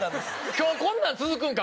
今日こんなん続くんか？